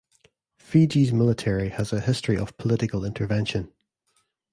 Fiji's Military has a history of political intervention.